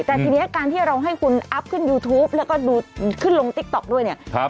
แต่ทีนี้การที่เราให้คุณอัพขึ้นยูทูปแล้วก็ดูขึ้นลงติ๊กต๊อกด้วยเนี่ย